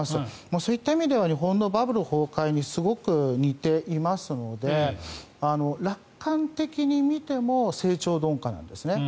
そういった意味では日本のバブル崩壊にすごく似ていますので楽観的に見ても成長鈍化なんですね。